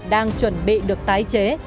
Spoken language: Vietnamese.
đang chuẩn bị được tái chế